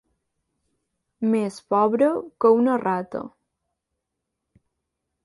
Més pobre que una rata.